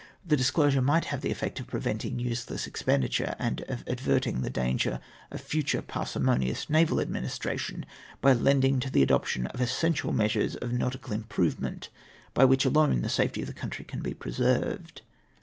Tlie disclosure might have the effect of preventing useless expenditure, and of averting the danger of future parsimonious naval administration, by leading to the adoption of essential measures of nautical improvement, by which alone the safety of the country can be preserved.